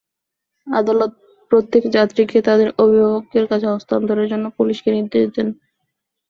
আদালত প্রত্যেক যাত্রীকে তাঁদের অভিভাবকের কাছে হস্তান্তরের জন্য পুলিশকে নির্দেশ দেন।